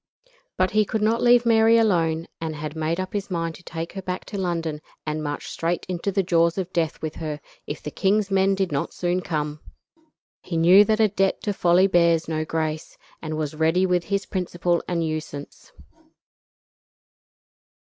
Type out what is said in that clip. But he could not leave Mary alone, and had made up his mind to take her back to London and march straight into the jaws of death with her, if the king's men did not soon come. He knew that a debt to folly bears no grace, and was ready with his principal and usance.